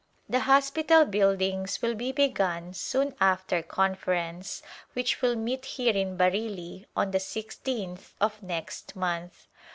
The hospital buildings will be begun soon after Conference, which will meet here in Bareilly on the sixteenth of next month.